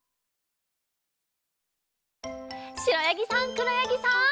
しろやぎさんくろやぎさん。